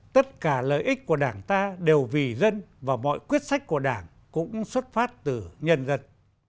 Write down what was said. tất cả lợi ích của đảng ta đều vì dân và mọi quyết sách của đảng cũng xuất phát từ nhân dân